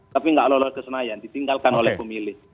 tapi nggak lolos ke senayan ditinggalkan oleh pemilih